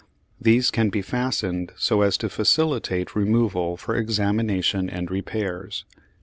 These can be fastened so as to facilitate removal for examination and repairs.